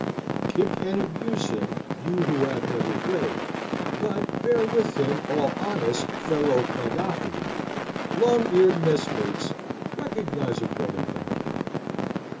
Kick and abuse him, you who have never brayed; but bear with him, all honest fellow cardophagi: long eared messmates, recognise a brother donkey!